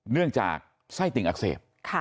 เนื่องจากไส้ติ่งอักเสบ